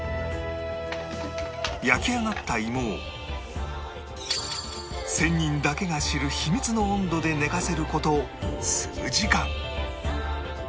焼き上がった芋を仙人だけが知る秘密の温度で寝かせる事数時間